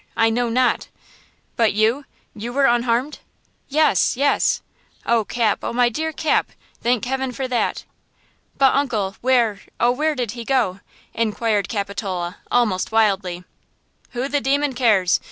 I know not!" "But you–you were unharmed?" "Yes–yes!" "Oh, Cap! Oh, my dear Cap! Thank heaven for that!" "But, uncle, where–oh, where did he go?" inquired Capitola, almost wildly. "Who the demon cares?